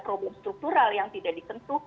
problem struktural yang tidak disentuh